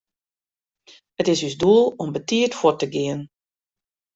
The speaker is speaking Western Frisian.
It is ús doel om betiid fuort te gean.